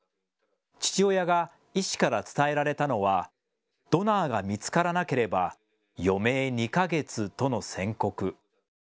父親が医師から伝えられたのは、ドナーが見つからなければ余命２か月との宣告。